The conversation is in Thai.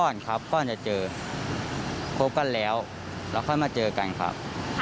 อยากจะบอกว่ารักมากครับ